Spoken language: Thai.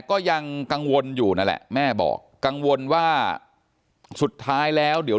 ก็ยังกังวลอยู่นั่นแหละแม่บอกกังวลว่าสุดท้ายแล้วเดี๋ยว